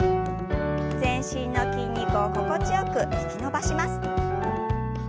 全身の筋肉を心地よく引き伸ばします。